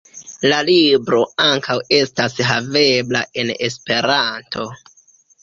La libro ankaŭ estas havebla en Esperanto.